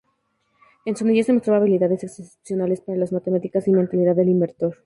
En su niñez demostraba habilidades excepcionales para las matemáticas y mentalidad de inventor.